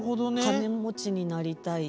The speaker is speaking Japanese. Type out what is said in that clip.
金持ちになりたい。